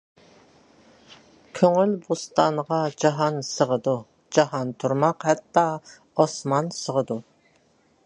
كۆڭۈل بوستانىغا جاھان سىغىدۇ، جاھان تۇرماق ھەتتا ئاسمان سىغىدۇ.